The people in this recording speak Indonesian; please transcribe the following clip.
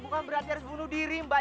bukan berarti harus bunuh diri mbak